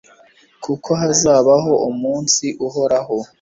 kuko hazabaho umunsi, uhoraho